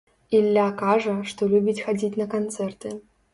Ілля кажа, што любіць хадзіць на канцэрты.